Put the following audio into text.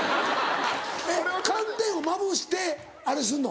えっ寒天をまぶしてあれすんの？